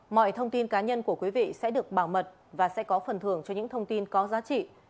mọi thông tin cá nhân của quý vị sẽ được bảo mật và sẽ có phần thưởng cho những thông tin có giá trị